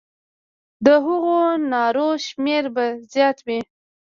د هغو نارو شمېر به زیات وي.